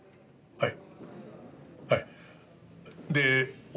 はい。